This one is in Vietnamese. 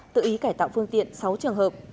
tự ý cải tạo phương tiện sáu trường hợp